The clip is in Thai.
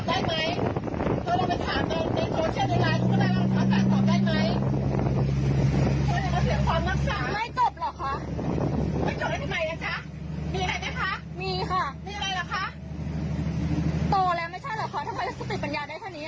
อ้าวปลายยาวเลยทีนี้